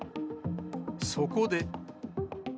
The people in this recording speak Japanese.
そこで。